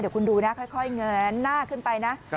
เดี๋ยวคุณดูนะค่อยแงนหน้าขึ้นไปนะ